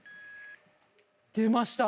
出ました。